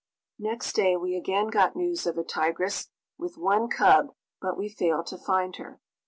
Next day we again got news of a tigress, with one cub, but we failed to find her.